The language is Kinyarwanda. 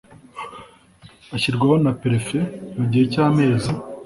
ashyirwaho na Perefe mugihe cy’amezi